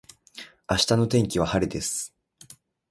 明日の天気は晴れです。